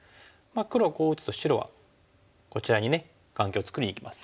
黒はこう打つと白はこちらに眼形を作りにいきます。